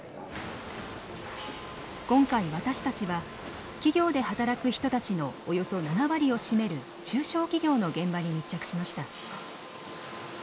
今回私たちは企業で働く人たちのおよそ７割を占める中小企業の現場に密着しました。